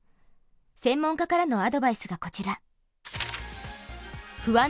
専門家からのアドバイスがこちら。